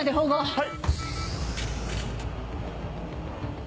はい！